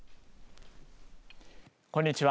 こんにちは。